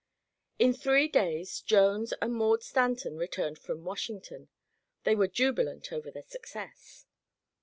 In three days Jones and Maud Stanton returned from Washington. They were jubilant over their success.